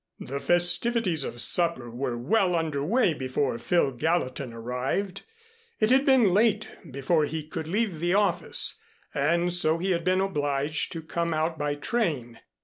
The festivities of supper were well under way before Phil Gallatin arrived. It had been late before he could leave the office, and so he had been obliged to come out by train.